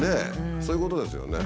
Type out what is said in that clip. そういうことですよね。